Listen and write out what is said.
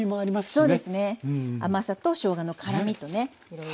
そうですね甘さとしょうがの辛みとねいろいろ。